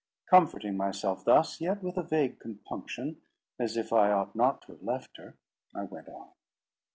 Comforting myself thus, yet with a vague compunction, as if I ought not to have left her, I went on.